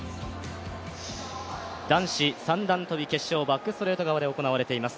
男子三段跳決勝はバックストレート側で行われています。